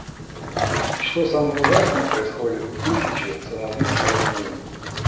Но что самое ужасное, происходят тысячи самоубийств каждый день.